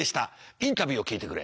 インタビューを聞いてくれ。